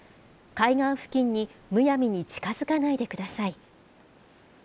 海岸付近にむやみに近づかないでください。